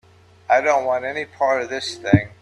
I don't want any part of this thing.